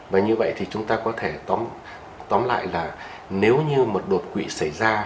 và như vậy thì chúng ta có thể tóm lại là nếu như mà đột quỵ xảy ra